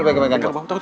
lupa yang gue pegang